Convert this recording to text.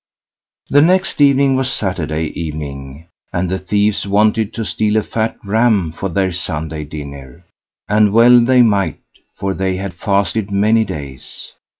The next evening was Saturday evening, and the thieves wanted to steal a fat ram for their Sunday dinner; and well they might, for they had fasted many days.